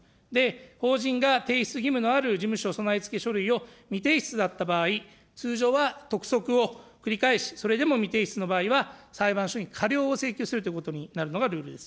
法人が提出義務のある事務所備え付け書類を未提出だった場合、通常は督促を繰り返し、それでも未提出の場合は、裁判所に過料を請求するということになるのがルールです。